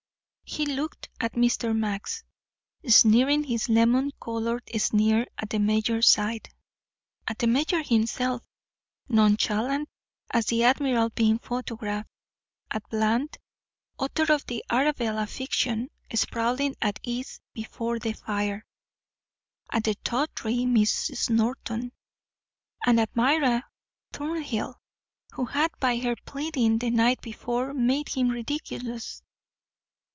He looked at Mr. Max, sneering his lemon colored sneer at the mayor's side; at the mayor himself, nonchalant as the admiral being photographed; at Bland, author of the Arabella fiction, sprawling at ease before the fire; at the tawdry Mrs. Norton, and at Myra Thornhill, who had by her pleading the night before made him ridiculous.